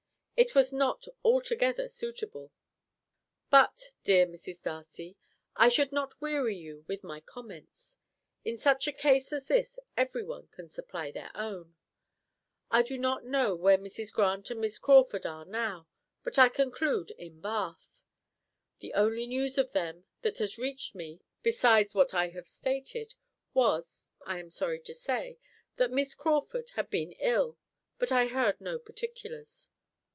It was not altogether suitable but, dear Mrs. Darcy, I should not weary you with my comments. In such a case as this everyone can supply their own. I do not know where Mrs. Grant and Miss Crawford are now, but I conclude in Bath. The only news of them that has reached me, besides what I have stated, was, I am sorry to say, that Miss Crawford had been ill, but I heard no particulars.